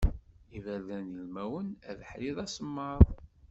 Iberdan d ilmawen, abeḥri d asemmaḍ.